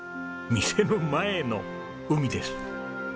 店の前の海です。